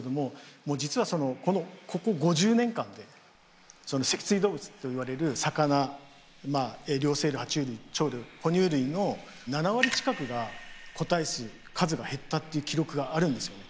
実はここ５０年間で脊椎動物といわれる魚まあ両生類は虫類鳥類哺乳類の７割近くが個体数数が減ったっていう記録があるんですよね。